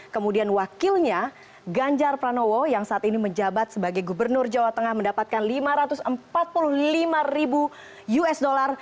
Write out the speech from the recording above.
kemudian wakilnya ganjar pranowo yang saat ini menjabat sebagai gubernur jawa tengah mendapatkan lima ratus empat puluh lima ribu usd